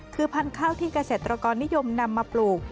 คือพันธุ์ข้าวที่เกษตรกรนิยมนำมาปลูก